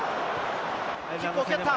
キックを蹴った。